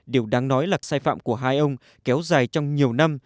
điều đáng nói là sai phạm của hai ông kéo dài trong nhiều năm